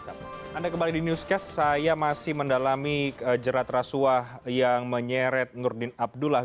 anda kembali di newscast saya masih mendalami jerat rasuah yang menyeret nurdin abdullah